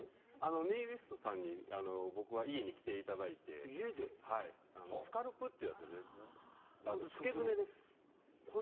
ネイリストさんに僕は家に来ていただいて、スカルプってやつ、つけ爪です。